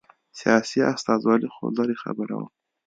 سیاسي استازولي خو لرې خبره وه